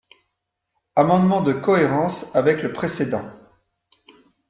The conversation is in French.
Amendement de cohérence avec le précédent.